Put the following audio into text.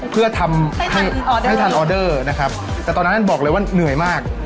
เพื่อทำให้ให้ทันออเดอร์นะครับแต่ตอนนั้นบอกเลยว่าเหนื่อยมาก